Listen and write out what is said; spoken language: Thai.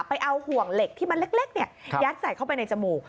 ไปเอาห่วงเหล็กที่มันเล็กยัดใส่เข้าไปในจมูก